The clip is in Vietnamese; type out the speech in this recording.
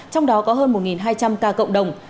trong đó có hơn một hai trăm linh ca cộng đồng